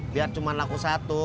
biar cuma laku satu